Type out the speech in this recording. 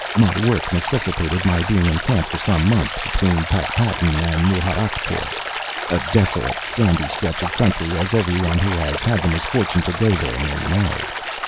My work necessitated my being in camp for some months between Pakpattan and Muharakpur a desolate sandy stretch of country as every one who has had the misfortune to go there may know.